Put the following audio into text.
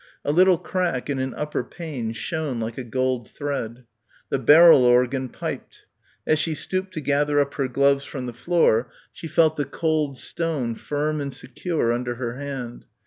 A little crack in an upper pane shone like a gold thread. The barrel organ piped. As she stooped to gather up her gloves from the floor she felt the cold stone firm and secure under her hand.